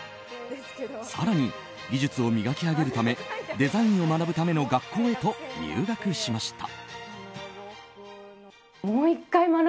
更に技術を磨き上げるためデザインを学ぶための学校へと入学しました。